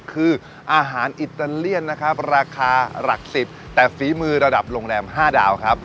คืออาหารอิตาเลียนนะครับราคาหลัก๑๐แต่ฝีมือระดับโรงแรม๕ดาวครับ